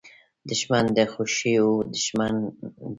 دښمن د خوښیو دوښمن دی